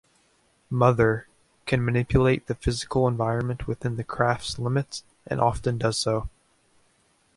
'Mother' can manipulate the physical environment within the craft's limits and often does so.